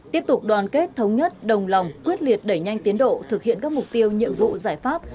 tiếp tục đoàn kết thống nhất đồng lòng quyết liệt đẩy nhanh tiến độ thực hiện các mục tiêu nhiệm vụ giải pháp